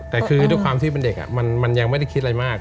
แต่คือด้วยความที่เป็นเด็กมันยังไม่ได้คิดอะไรมาก